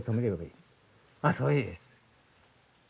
あっそれでいいです。